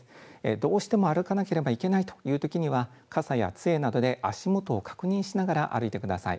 どうしても歩かなければいけないというときには、傘やつえなどで足元を確認しながら歩いてください。